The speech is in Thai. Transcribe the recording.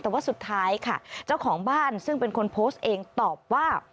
แต่ว่าสุดท้ายค่ะเจ้าของบ้านซึ่งเป็นคนโพสต์เองตอบว่า